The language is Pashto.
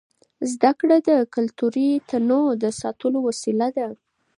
زده کړه د کلتوري تنوع د ساتلو وسیله ده.